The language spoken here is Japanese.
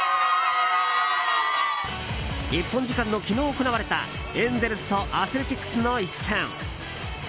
日本時間の昨日行われたエンゼルスとアスレチックスの一戦。